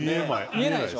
見えないでしょ？